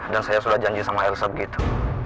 dan saya sudah janji sama elsa begitu